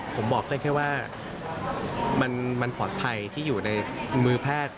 ผมบอกได้แค่ว่ามันปลอดภัยที่อยู่ในมือแพทย์